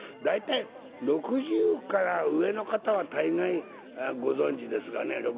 大体６０から上の方は大概ご存じですがね